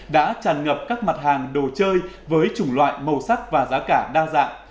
đã tràn ngập các mặt hàng đồ chơi với chủng loại màu sắc và giá cả đa dạng